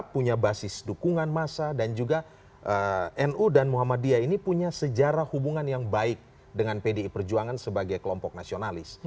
punya basis dukungan massa dan juga nu dan muhammadiyah ini punya sejarah hubungan yang baik dengan pdi perjuangan sebagai kelompok nasionalis